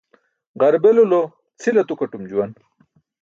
Ġarbelulo cʰil atukaṭum juwan